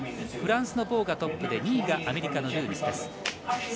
フランスのボーがトップで２位がアメリカのルーミスです。